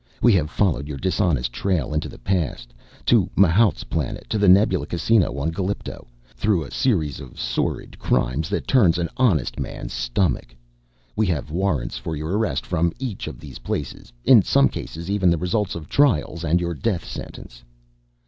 We have followed your dishonest trail into the past, to Mahaut's Planet, to the Nebula Casino on Galipto, through a series of sordid crimes that turns an honest man's stomach. We have warrants for your arrest from each of these places, in some cases even the results of trials and your death sentence."